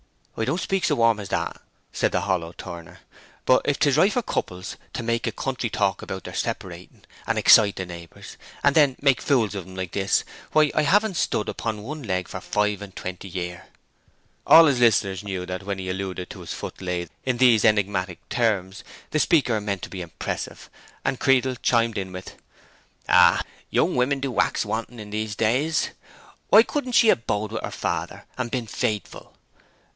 "I don't speak so warm as that," said the hollow turner, "but if 'tis right for couples to make a country talk about their separating, and excite the neighbors, and then make fools of 'em like this, why, I haven't stood upon one leg for five and twenty year." All his listeners knew that when he alluded to his foot lathe in these enigmatic terms, the speaker meant to be impressive; and Creedle chimed in with, "Ah, young women do wax wanton in these days! Why couldn't she ha' bode with her father, and been faithful?"